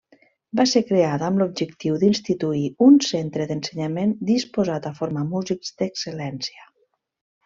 Va ser creada amb l'objectiu d'instituir un centre d'ensenyament disposat a formar músics d'excel·lència.